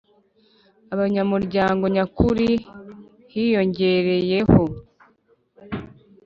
abanyamuryango nyakuri hiyongereyeho